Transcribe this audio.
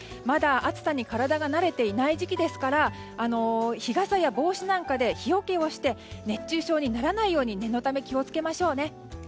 まだ暑さに体が慣れていない時期ですから日傘や帽子で日よけをして熱中症にならないように念のため、気をつけましょうね。